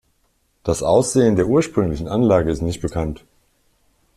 Das Aussehen der ursprünglichen Anlage ist nicht bekannt.